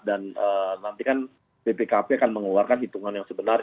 dan nanti kan ppkp akan mengeluarkan hitungan yang sebenarnya